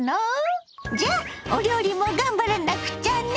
じゃあお料理も頑張らなくちゃね！